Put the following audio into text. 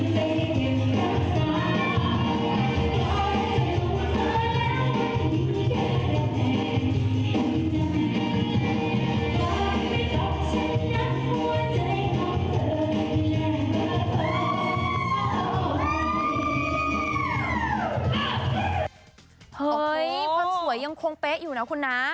ความสวยความสวยยังคงเป๊ะอยู่นะคุณนะ